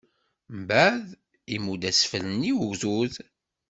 Mbeɛd, imudd asfel-nni n ugdud.